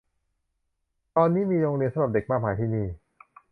ตอนนี้มีโรงเรียนสำหรับเด็กมากมายที่นี้